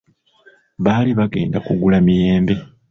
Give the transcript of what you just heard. Baali bagenda kugula miyembe.